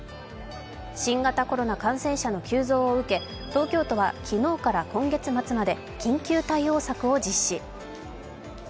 新型コロナ感染者の急増を受け東京都は昨日から、今月末まで緊急対応策を実施。